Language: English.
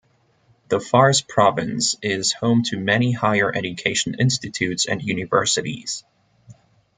The Fars Province is home to many higher education institutes and universities.